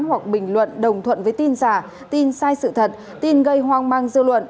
hoặc bình luận đồng thuận với tin giả tin sai sự thật tin gây hoang mang dư luận